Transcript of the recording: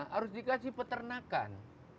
harus dikasih peternakan